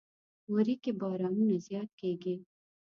وری کې بارانونه زیات کیږي.